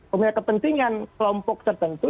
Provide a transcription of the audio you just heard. memiliki kepentingan kelompok tertentu